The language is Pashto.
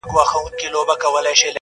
چا ته لا سکروټي یم سور اور یمه-